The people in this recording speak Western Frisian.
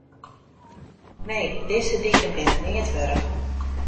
Nee, dizze diken binne neat wurdich.